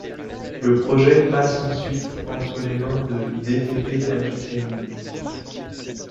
Le projet passe ensuite entre les mains de dtp entertainment.